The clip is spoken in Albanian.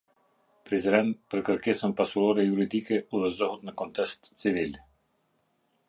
Prizren për kerkesen pasurore juridike udhezohet në kontest civil.